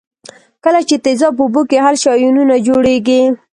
کله چې تیزاب په اوبو کې حل شي آیونونه جوړیږي.